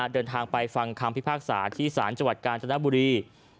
เดินทางไปฟังคำพิพากษาที่ศาลจังหวัดกาญจนบุรี